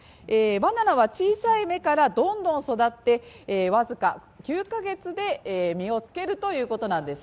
バナナは小さい芽からどんどん育って、僅か９か月で実をつけるということなんです。